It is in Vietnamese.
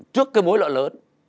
trước cái mối lợi lớn